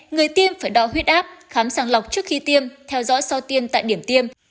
người tiêm phải đo huyết áp khám sàng lọc trước khi tiêm theo dõi sau tiêm tại điểm tiêm